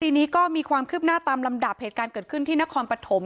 ทีนี้ก็มีความคืบหน้าตามลำดับเหตุการณ์เกิดขึ้นที่นครปฐม